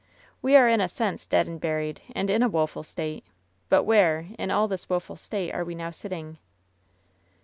"We are in a sense dead and buried, and in a woeful state ; but where, in all this woeful state, are we now sitting?"